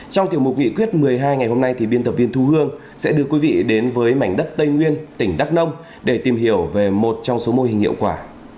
trong tiểu mục nghị quyết một mươi hai ngày hôm nay biên tập viên thu hương sẽ đưa quý vị đến với mảnh đất tây nguyên tỉnh đắk nông để tìm hiểu về một trong số mô hình hiệu quả